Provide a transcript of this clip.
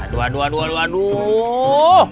aduh aduh aduh aduh aduh